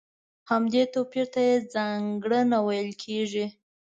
همدې توپير ته يې ځانګړنه ويل کېږي.